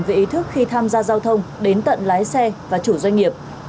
về ý thức khi tham gia giao thông đến tận lái xe và chủ doanh nghiệp